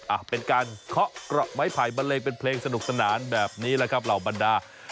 อ่ะเป็นการเคาะเกราะไม้ไผ่บันเลงเป็นเพลงสนุกสนานแบบนี้แหละครับเหล่าบรรดา